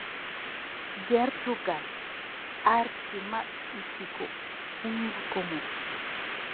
Gertogal aarti maɓɓititgo hunnduko mun.